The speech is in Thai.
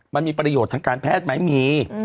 มันมีประโยชน์ทางการแพทย์ไหมมี